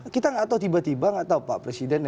kita tidak tahu tiba tiba pak presiden